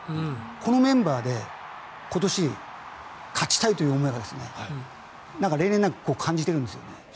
このメンバーで今年、勝ちたいという思いが例年になく感じてるんですね。